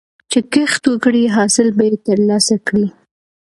چې کښت وکړې، حاصل به یې ترلاسه کړې.